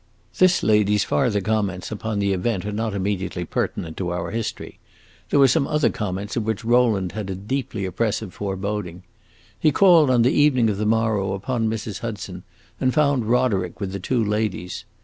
This lady's farther comments upon the event are not immediately pertinent to our history; there were some other comments of which Rowland had a deeply oppressive foreboding. He called, on the evening of the morrow upon Mrs. Hudson, and found Roderick with the two ladies.